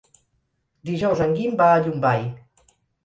Dijous en Guim va a Llombai.